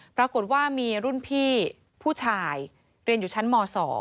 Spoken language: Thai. ปรากฏว่ามีรุ่นพี่ผู้ชายเรียนอยู่ชั้นม๒